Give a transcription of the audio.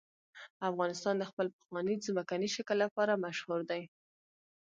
افغانستان د خپل پخواني ځمکني شکل لپاره مشهور دی.